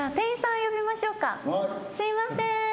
すいません。